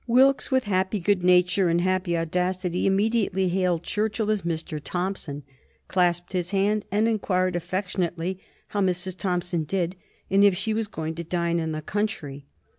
Wilkes, with happy good nature and happy audacity, immediately hailed Churchill as Mr. Thompson, clasped his hand and inquired affectionately how Mrs. Thompson did and if she was going to dine in the country.